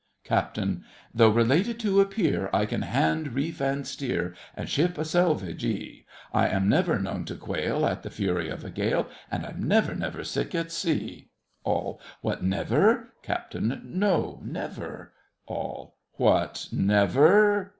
CAPT. Though related to a peer, I can hand, reef, and steer, And ship a selvagee; I am never known to quail At the furry of a gale, And I'm never, never sick at sea! ALL. What, never? CAPT. No, never! ALL. What, never?